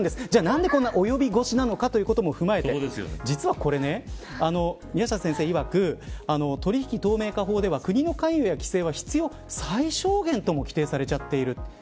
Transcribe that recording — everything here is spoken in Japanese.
何でこんな及び腰なのかというところも踏まえて実はこれ、宮下先生いわく取引透明化法では国の関与や規制は必要最小限とも規定されちゃっている。